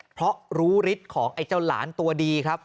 เพราะรู้ฤทธิ์ของไอ้เจ้าหลานตัวดีครับ